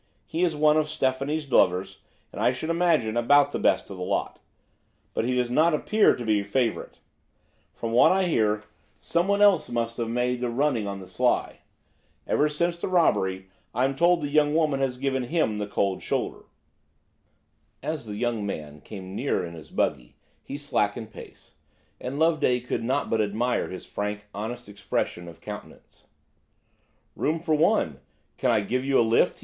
He is one of Stephanie's lovers, and I should imagine about the best of the lot. But he does not appear to be first favourite; from what I hear someone else must have made the running on the sly. Ever since the robbery I'm told the young woman has given him the cold shoulder." As the young man came nearer in his buggy he slackened pace, and Loveday could not but admire his frank, honest expression of countenance, "Room for one–can I give you a lift?"